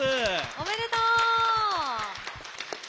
おめでとう！